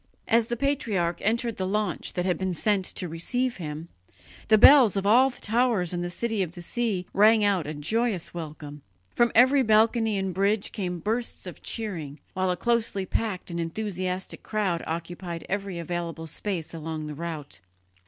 As the patriarch entered the launch that had been sent to receive him, the bells of all the towers in the City of the Sea rang out a joyous welcome; from every balcony and bridge came bursts of cheering, while a closely packed and enthusiastic crowd occupied every available space along the route.